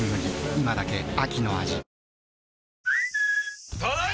今だけ秋の味